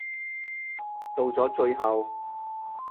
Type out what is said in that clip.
到咗最後